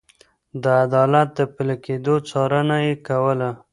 د عدالت د پلي کېدو څارنه يې کوله.